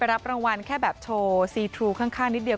อะไรแบบนี้